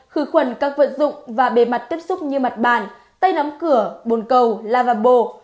khử khuẩn các vật dụng và bề mặt tiếp xúc như mặt bàn tay nắm cửa bồn cầu lavabo